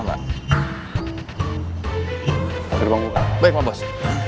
baik pak bos